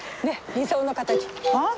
理想の形？